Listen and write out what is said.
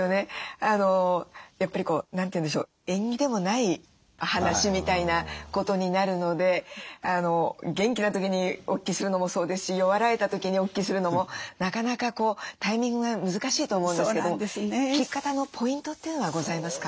やっぱりこう何て言うんでしょう縁起でもない話みたいなことになるので元気な時にお聞きするのもそうですし弱られた時にお聞きするのもなかなかタイミングが難しいと思うんですけど聞き方のポイントというのはございますか？